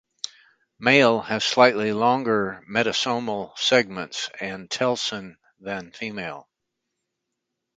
Male has slightly longer metasomal segments and telson than female.